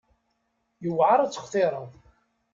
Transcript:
Yewεer ad textireḍ.